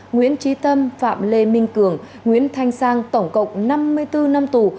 nguyễn trí tâm phạm lê minh cường nguyễn thanh sang tổng cộng năm mươi bốn năm tù